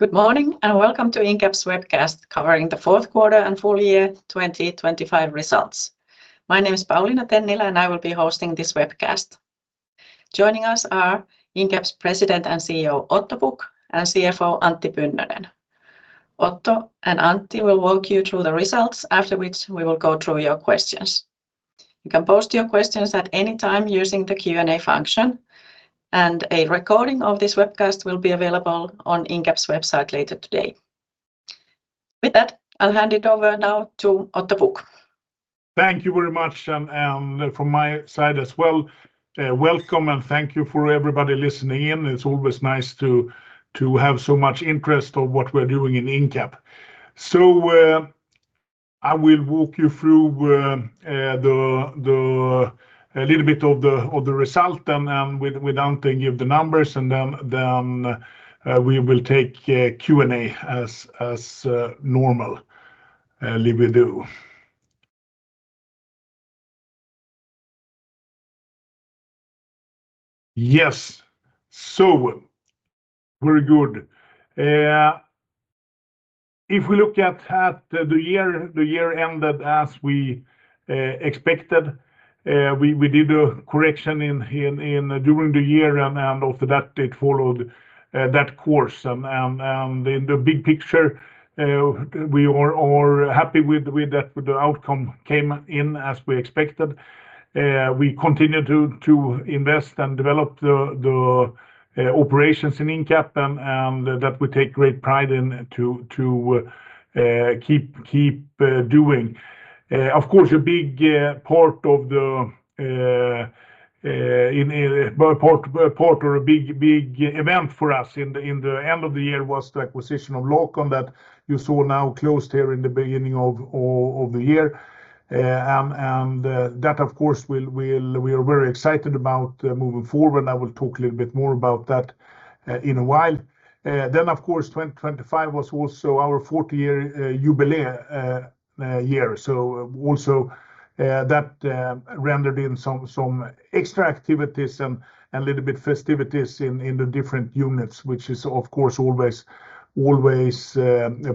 Good morning, and welcome to Incap's webcast, covering the fourth quarter and full year 2025 results. My name is Paulina Tennilä, and I will be hosting this webcast. Joining us are Incap's President and CEO, Otto Pukk, and CFO, Antti Pynnönen. Otto and Antti will walk you through the results, after which we will go through your questions. You can post your questions at any time using the Q&A function, and a recording of this webcast will be available on Incap's website later today. With that, I'll hand it over now to Otto Pukk. Thank you very much, and from my side as well, welcome, and thank you for everybody listening in. It's always nice to have so much interest of what we're doing in Incap. I will walk you through a little bit of the result, and without giving the numbers, and then we will take Q&A as normal we do. Yes. Very good. If we look at the year, the year ended as we expected. We did a correction in during the year, and after that, it followed that course. In the big picture, we are happy with that, with the outcome came in as we expected. We continued to invest and develop the operations in Incap, and that we take great pride in to keep doing. Of course, a big part of the part or a big event for us in the end of the year was the acquisition of Lacon that you saw now closed here in the beginning of the year. That, of course, we are very excited about moving forward, and I will talk a little bit more about that in a while. Of course, 2025 was also our 40-year jubilee year. Also, that rendered in some extra activities and a little bit festivities in the different units, which is, of course, always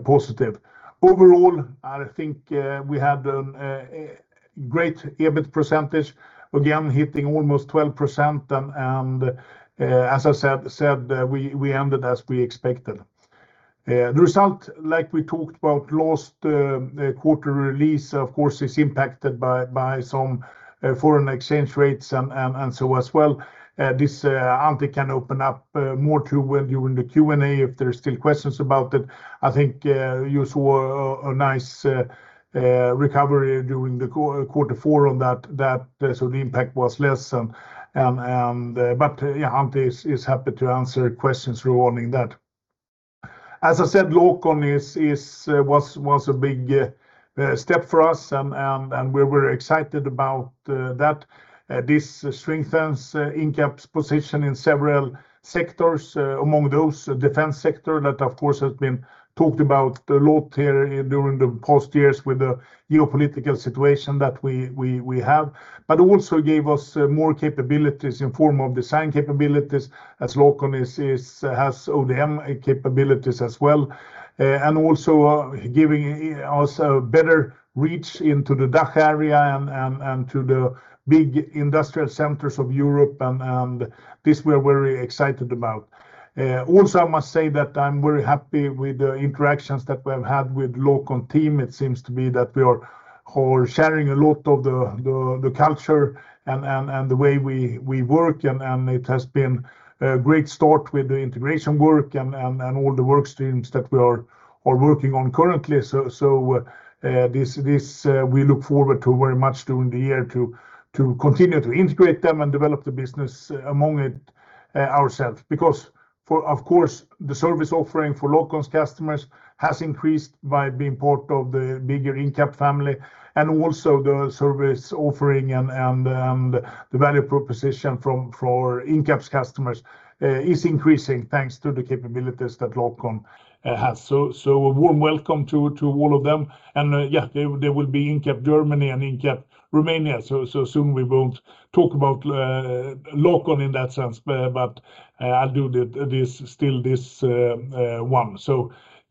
positive. Overall, I think we had a great EBIT percentage, again, hitting almost 12%, and as I said, we ended as we expected. The result, like we talked about last quarter release, of course, is impacted by some foreign exchange rates and so as well, this Antti can open up more to during the Q&A if there are still questions about it. I think you saw a nice recovery during the quarter four on that, so the impact was less, and but, yeah, Antti is happy to answer questions regarding that. As I said, Lacon was a big step for us, and we're very excited about that. This strengthens Incap's position in several sectors, among those, the defense sector that, of course, has been talked about a lot here during the past years with the geopolitical situation that we have, but also gave us more capabilities in form of design capabilities, as Lacon has ODM capabilities as well, and also giving us a better reach into the DACH area and to the big industrial centers of Europe, and this we are very excited about. Also, I must say that I'm very happy with the interactions that we have had with Lacon team. It seems to be that we are sharing a lot of the culture and the way we work, and it has been a great start with the integration work and all the work streams that we are working on currently. This we look forward to very much during the year to continue to integrate them and develop the business among ourselves. For, of course, the service offering for Lacon's customers has increased by being part of the bigger Incap family, and also the service offering and the value proposition from, for Incap's customers is increasing, thanks to the capabilities that Lacon has. A warm welcome to all of them. Yeah, they will be Incap Germany and Incap Romania. Soon we won't talk about Lacon in that sense, but I'll do this, still this one.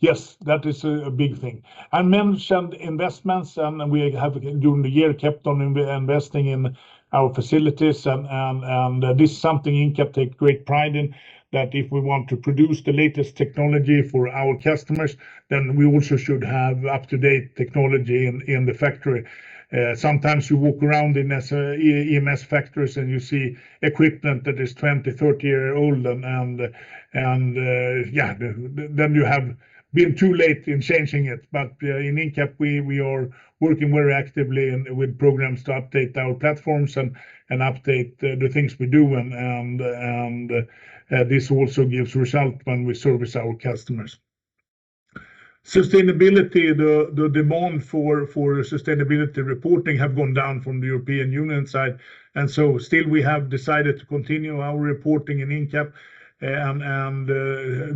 Yes, that is a big thing. I mentioned investments, we have, during the year, kept on investing in our facilities, and this is something Incap take great pride in, that if we want to produce the latest technology for our customers, then we also should have up-to-date technology in the factory. Sometimes you walk around in EMS factories, you see equipment that is 20, 30 years old, and, yeah, then you have been too late in changing it. In Incap, we are working very actively and with programs to update our platforms and update the things we do, and this also gives result when we service our customers. Sustainability, the demand for sustainability reporting have gone down from the European Union side. Still we have decided to continue our reporting in Incap, and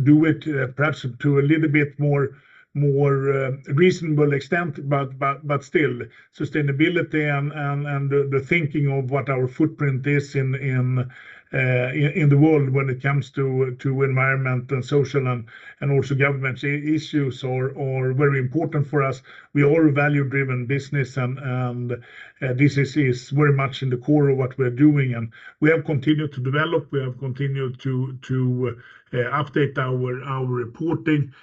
do it perhaps to a little bit more reasonable extent. Still, sustainability and the thinking of what our footprint is in the world when it comes to environment and social and also government issues are very important for us. We are a value-driven business, and this is very much in the core of what we're doing, and we have continued to develop, we have continued to update our reporting.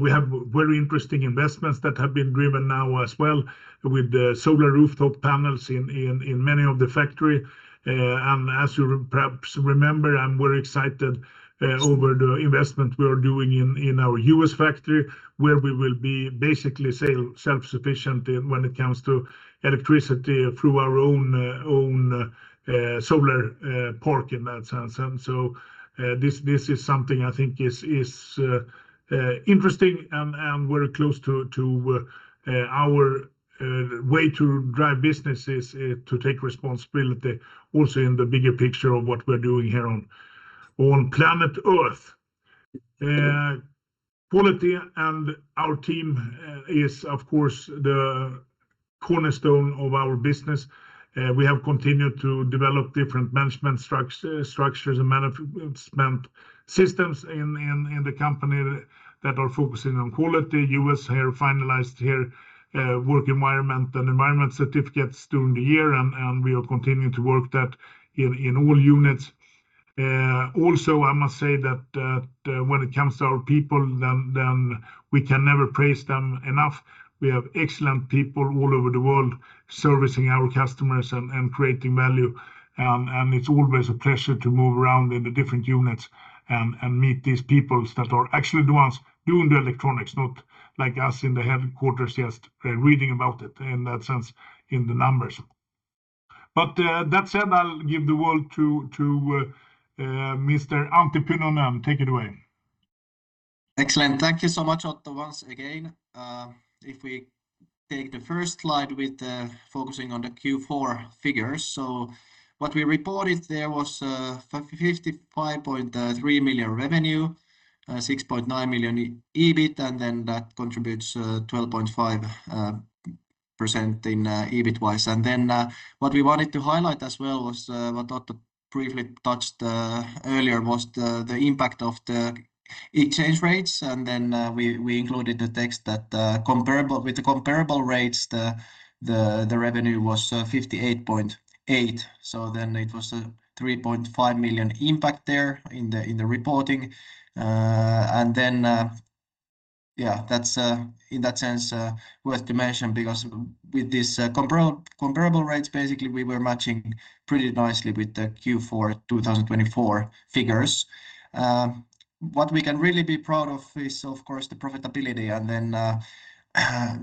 We have very interesting investments that have been driven now as well with the solar rooftop panels in many of the factory. As you perhaps remember, I'm very excited over the investment we are doing in our U.S. factory, where we will be basically self-sufficient in when it comes to electricity through our own solar park in that sense. This is something I think is interesting and we're close to our way to drive business is to take responsibility also in the bigger picture of what we're doing here on planet Earth. Quality and our team is of course, the cornerstone of our business. We have continued to develop different management structures and management systems in the company that are focusing on quality. US have finalized their work environment and environment certificates during the year, and we are continuing to work that in all units. Also, I must say that when it comes to our people, then we can never praise them enough. We have excellent people all over the world servicing our customers and creating value. It's always a pleasure to move around in the different units and meet these people that are actually the ones doing the electronics, not like us in the headquarters, just reading about it in that sense, in the numbers. That said, I'll give the world to Mr. Antti Pynnönen. Take it away. Excellent. Thank you so much, Otto, once again. If we take the first slide with focusing on the Q4 figures, what we reported there was 55.3 million revenue, 6.9 million EBIT, that contributes 12.5% in EBIT wise. What we wanted to highlight as well was what Otto briefly touched earlier, was the impact of the exchange rates. We included the text that with the comparable rates, the revenue was 58.8 million. It was a 3.5 million impact there in the reporting. Yeah, that's in that sense worth to mention, because with this comparable rates, we were matching pretty nicely with the Q4 2024 figures. What we can really be proud of is, of course, the profitability.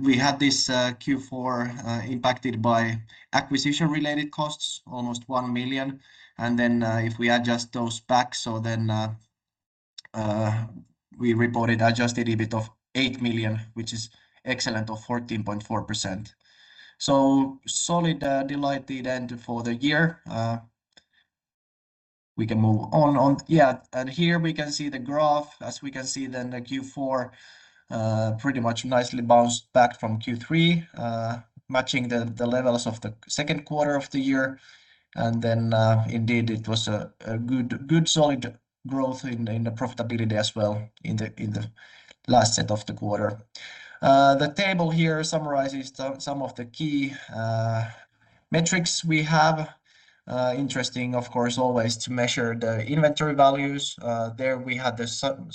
We had this Q4 impacted by acquisition-related costs, almost 1 million. If we adjust those back, we reported adjusted EBIT of 8 million, which is excellent, or 14.4%. Solid, delighted end for the year, we can move on. Here we can see the graph. As we can see, the Q4 pretty much nicely bounced back from Q3, matching the levels of the second quarter of the year. Indeed, it was a good solid growth in the profitability as well, in the last set of the quarter. The table here summarizes some of the key metrics we have. Interesting, of course, always to measure the inventory values. There we had there some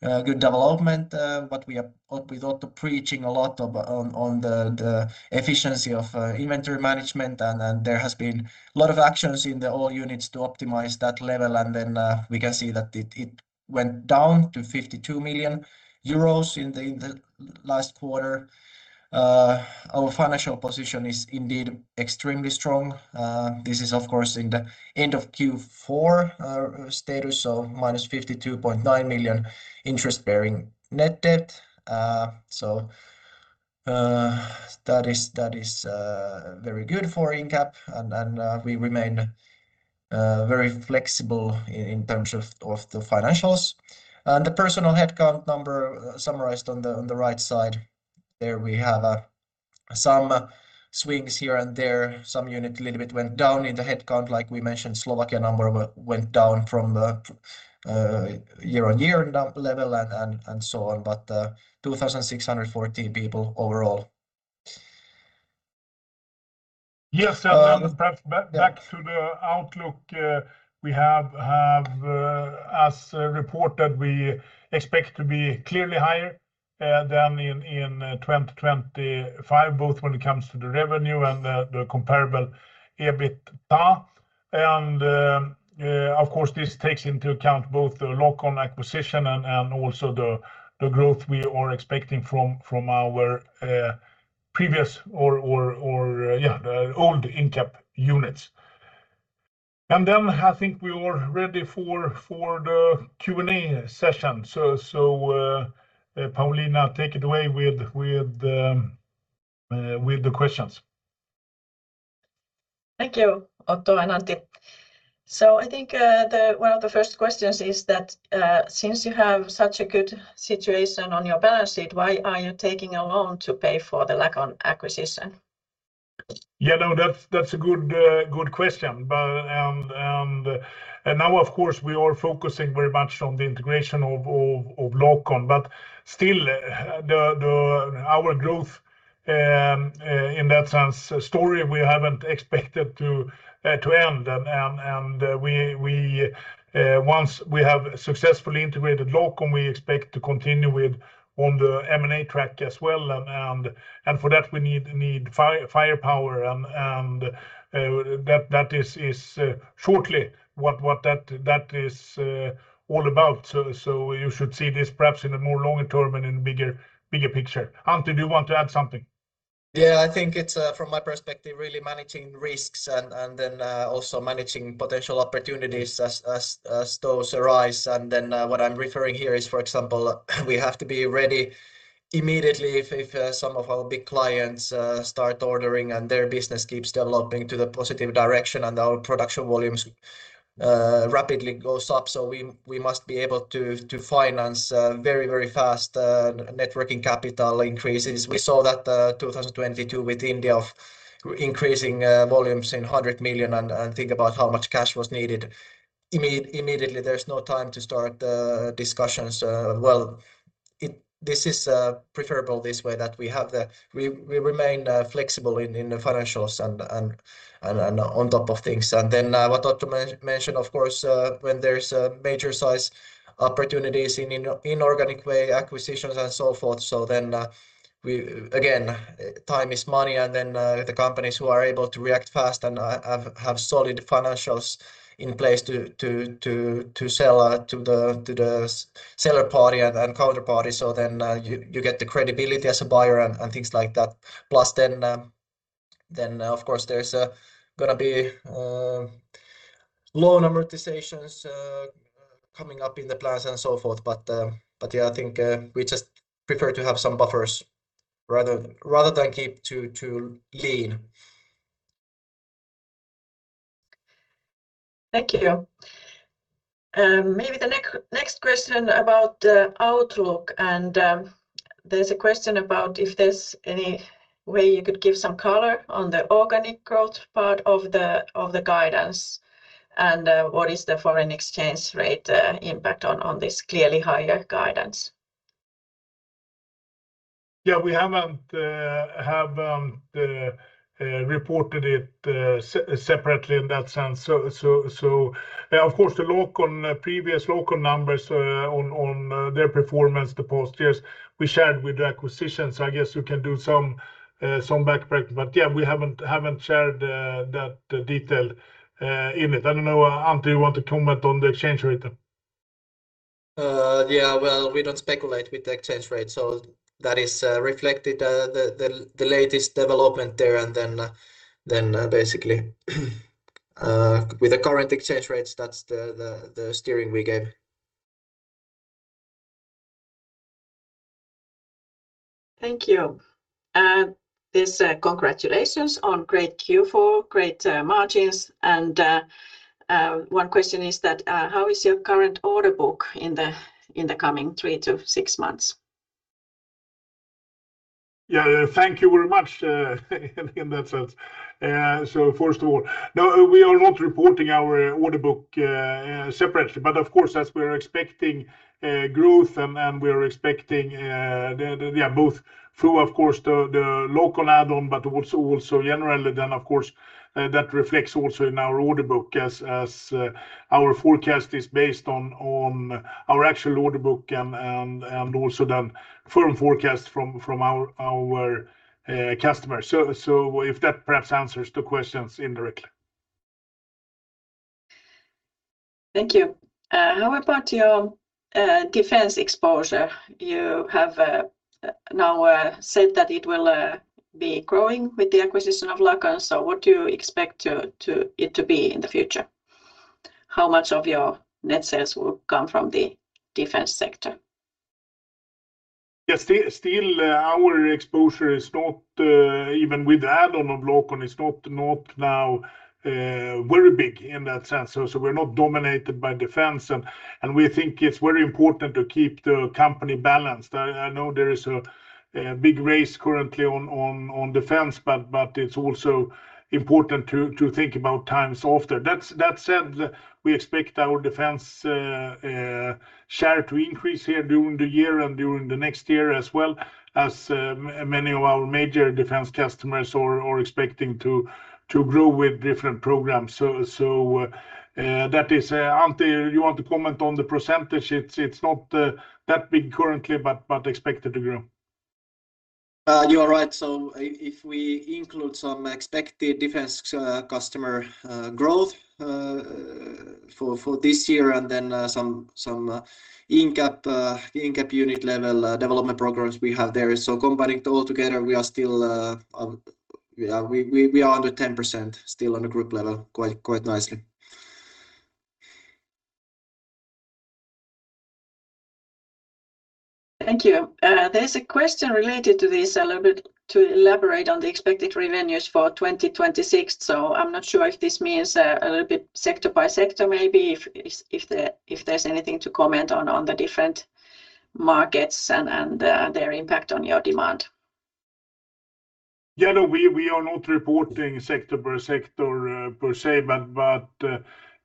good development, but we are with Otto preaching a lot of on the efficiency of inventory management, and there has been a lot of actions in the all units to optimize that level. We can see that it went down to 52 million euros in the last quarter. Our financial position is indeed extremely strong. This is of course, in the end of Q4 status, so -52.9 million interest-bearing net debt. That is very good for Incap, and we remain very flexible in terms of the financials. The personal headcount number summarized on the right side, there we have some swings here and there. Some unit a little bit went down in the headcount. Like we mentioned, Slovakia number went down from year-on-year level and so on, but 2,614 people overall. Yes, perhaps back to the outlook, we have, as reported, we expect to be clearly higher than in 2025, both when it comes to the revenue and the comparable EBITDA. Of course, this takes into account both the Lacon acquisition and also the growth we are expecting from our previous or, or, yeah, the old Incap units. I think we are ready for the Q&A session. Pauliina, take it away with the questions. Thank you, Otto and Antti. I think, the, one of the first questions is that, since you have such a good situation on your balance sheet, why are you taking a loan to pay for the Lacon acquisition? Yeah, no, that's a good question. And now, of course, we are focusing very much on the integration of Lacon, but still, our growth in that sense, story, we haven't expected to end. Once we have successfully integrated Lacon, we expect to continue with on the M&A track as well. For that, we need firepower, and that is shortly what that is all about. You should see this perhaps in a more longer term and in a bigger picture. Antti, do you want to add something? I think it's from my perspective, really managing risks and then also managing potential opportunities as those arise. What I'm referring here is, for example, we have to be ready immediately if some of our big clients start ordering, and their business keeps developing to the positive direction, and our production volumes rapidly goes up. We must be able to finance very fast net working capital increases. We saw that 2022 with India of increasing volumes in 100 million, and think about how much cash was needed. Immediately, there's no time to start discussions. Well, this is preferable this way. We remain flexible in the financials and on top of things. What Otto mentioned, of course, when there's a major size opportunities in inorganic way, acquisitions and so forth, we, again, time is money, and the companies who are able to react fast and have solid financials in place to sell to the seller party and counterparty, you get the credibility as a buyer and things like that. Of course, there's gonna be loan amortizations coming up in the plans and so forth. I think we just prefer to have some buffers rather than keep to lean. Thank you. Maybe the next question about the outlook. There's a question about if there's any way you could give some color on the organic growth part of the guidance. What is the foreign exchange rate impact on this clearly higher guidance? Yeah, we haven't reported it separately in that sense. Of course, the Lacon, previous Lacon numbers, on their performance the past years, we shared with the acquisition, so I guess you can do some back break. Yeah, we haven't shared that detail in it. I don't know, Antti, you want to comment on the exchange rate? Yeah, well, we don't speculate with the exchange rate, so that is reflected the, the latest development there, and then, basically, with the current exchange rates, that's the, the steering we gave. Thank you. there's a congratulations on great Q4, great margins, and one question is that, how is your current order book in the, in the coming three to six months? Yeah, thank you very much, in that sense. First of all, no, we are not reporting our order book separately, but of course, as we are expecting growth and we are expecting the, yeah, both through, of course, the Lacon add-on, but also generally, then, of course, that reflects also in our order book as our forecast is based on our actual order book and also the firm forecast from our customers. If that perhaps answers the questions indirectly. Thank you. How about your defense exposure? You have now said that it will be growing with the acquisition of Lacon. What do you expect it to be in the future? How much of your net sales will come from the defense sector? Yes, still, our exposure is not even with the add-on of Lacon, it's not now very big in that sense, so we're not dominated by defense, and we think it's very important to keep the company balanced. I know there is a big race currently on defense, but it's also important to think about times after. That said, we expect our defense share to increase here during the year and during the next year as well as many of our major defense customers are expecting to grow with different programs. That is Antti, you want to comment on the percentage? It's not that big currently, but expected to grow. you are right. If we include some expected defense, customer, growth...... for this year and then some Incap unit level development programs we have there. Combining all together, we are still, yeah, we are under 10% still on a group level, quite nicely. Thank you. There's a question related to this a little bit to elaborate on the expected revenues for 2026. I'm not sure if this means, a little bit sector by sector, maybe if there's anything to comment on the different markets and their impact on your demand. Yeah, no, we are not reporting sector per sector, per se, but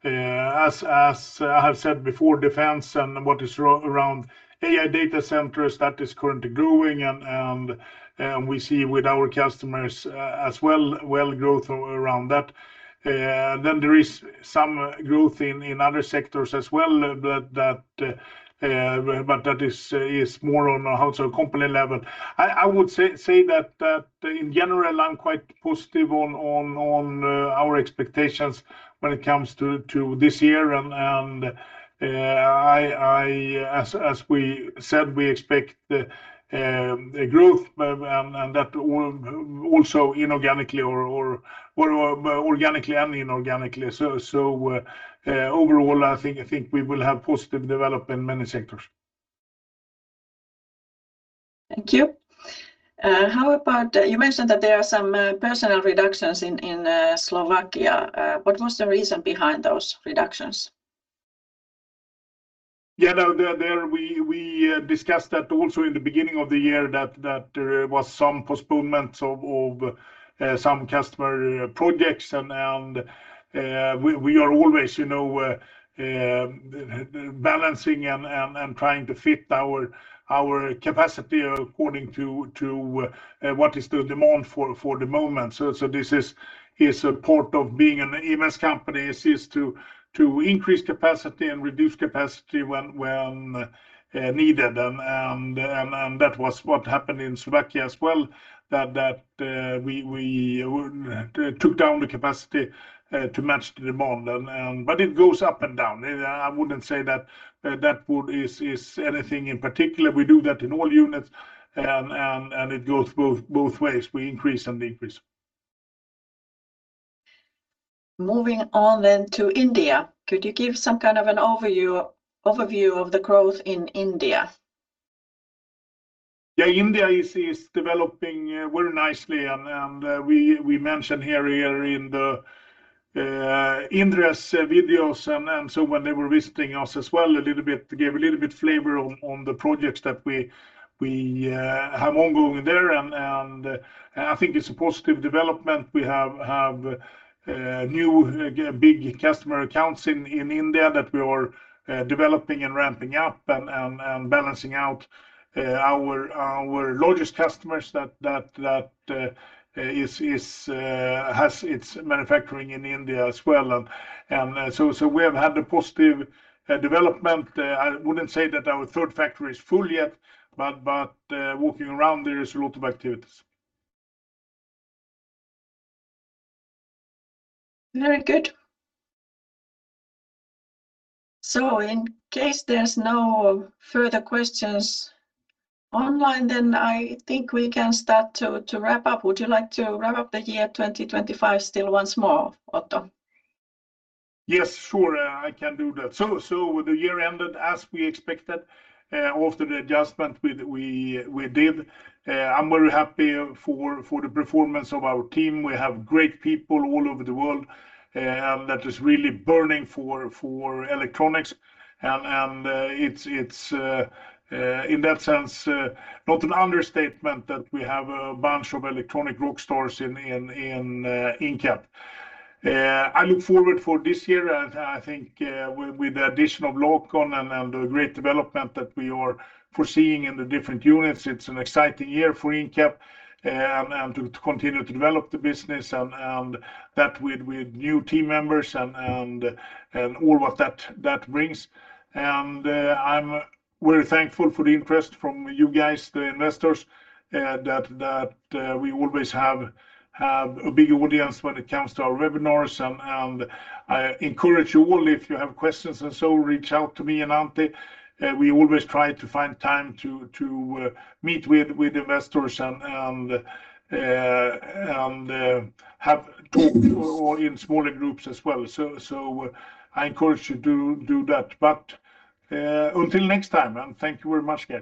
as I have said before, defense and what is around AI data centers, that is currently growing, and we see with our customers, as well, growth around that. Then there is some growth in other sectors as well, but that is more on a household company level. I would say that in general, I'm quite positive on our expectations when it comes to this year. As we said, we expect a growth, but and that all also inorganically or organically and inorganically. Overall, I think we will have positive development in many sectors. Thank you. You mentioned that there are some personal reductions in Slovakia. What was the reason behind those reductions? Yeah, no, there we discussed that also in the beginning of the year, that there was some postponements of some customer projects, and we are always, you know, balancing and trying to fit our capacity according to what is the demand for the moment. This is a part of being an EMS company, is to increase capacity and reduce capacity when needed. That was what happened in Slovakia as well, that we took down the capacity to match the demand. It goes up and down. I wouldn't say that would is anything in particular. We do that in all units, and it goes both ways. We increase and decrease. Moving on to India. Could you give some kind of an overview of the growth in India? India is developing very nicely, and we mentioned here earlier in the interest videos, and so when they were visiting us as well, a little bit, gave a little bit flavor on the projects that we have ongoing there. I think it's a positive development. We have new big customer accounts in India that we are developing and ramping up and balancing out our largest customers that is has its manufacturing in India as well. So we have had a positive development. I wouldn't say that our third factory is full yet, but walking around, there is a lot of activities. Very good. In case there's no further questions online, then I think we can start to wrap up. Would you like to wrap up the year 2025 still once more, Otto? Yes, sure, I can do that. The year ended as we expected, after the adjustment we did. I'm very happy for the performance of our team. We have great people all over the world, that is really burning for electronics, and it's in that sense not an understatement that we have a bunch of electronic rock stars in Incap. I look forward for this year, and I think with the addition of Lacon and the great development that we are foreseeing in the different units, it's an exciting year for Incap, and to continue to develop the business and that with new team members and all what that brings. I'm very thankful for the interest from you guys, the investors, that we always have a big audience when it comes to our webinars. I encourage you all, if you have questions and so reach out to me and Antti. We always try to find time to meet with investors and have talk or in smaller groups as well. I encourage you to do that. Until next time, and thank you very much, guys.